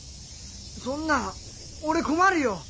そんな俺困るよ！